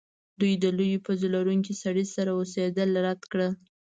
دوی د لویې پوزې لرونکي سړي سره اوسیدل رد کړل